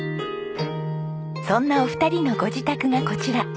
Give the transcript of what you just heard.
そんなお二人のご自宅がこちら。